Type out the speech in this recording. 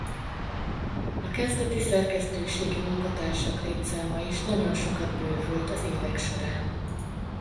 A kezdeti szerkesztőségi munkatársak létszáma is nagyon sokat bővült az évek során.